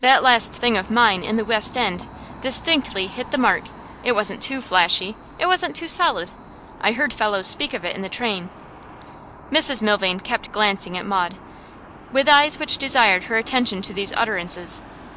That last thing of mine in The West End distinctly hit the mark; it wasn't too flashy, it wasn't too solid. I heard fellows speak of it in the train.' Mrs Milvain kept glancing at Maud, with eyes which desired her attention to these utterances.